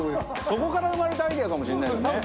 そこから生まれたアイデアかもしれないですね。